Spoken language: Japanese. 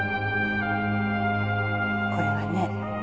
これはね